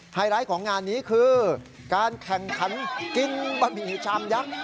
ไฮไลท์ของงานนี้คือการแข่งขันกินบะหมี่ชามยักษ์